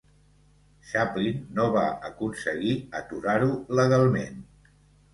Chaplin no va aconseguir aturar-ho legalment.